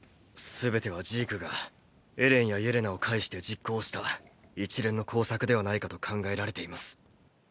すべてはジークがエレンやイェレナを介して実行した一連の工作ではないかと考えられています。